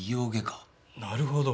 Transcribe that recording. なるほど。